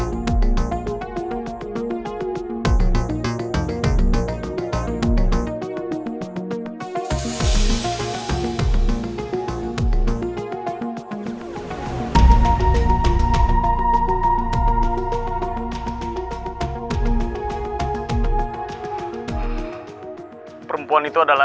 dan perempuan itu adalah